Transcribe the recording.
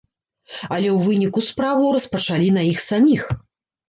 Але ў выніку справу распачалі на іх саміх.